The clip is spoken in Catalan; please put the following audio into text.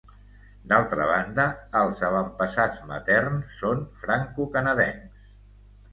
D'altra banda, els avantpassats materns són francocanadencs.